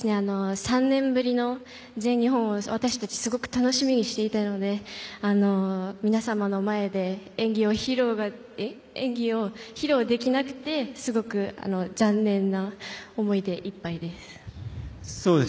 ３年ぶりの全日本を私たち、すごく楽しみにしていたので皆様の前で演技を披露できなくてすごく残念な思いでいっぱいです。